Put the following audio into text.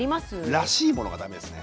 らしいものがダメですね。